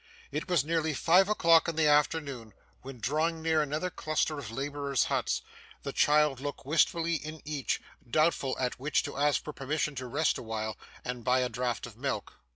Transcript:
It was nearly five o'clock in the afternoon, when drawing near another cluster of labourers' huts, the child looked wistfully in each, doubtful at which to ask for permission to rest awhile, and buy a draught of milk.